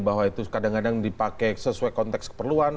bahwa itu kadang kadang dipakai sesuai konteks keperluan